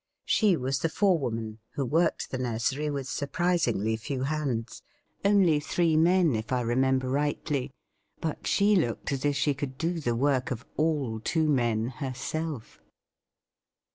She was the forewoman, who worked the nursery with surprisingly few hands only three men, if I remember rightly but she looked as if she could do the work of "all two men" herself.